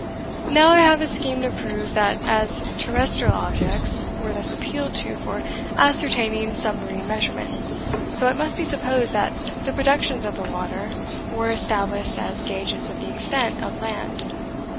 Now I have a scheme to prove, that, as terrestrial objects were thus appealed to for ascertaining submarine measurement, so it must be supposed that the productions of the water were established as gauges of the extent of land.